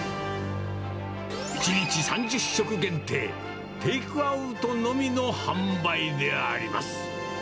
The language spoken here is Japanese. １日３０食限定、テイクアウトのみの販売であります。